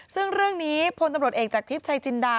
ซึ่งเรื่องนี้พลตำรวจเอกจากทริปชัยจินดา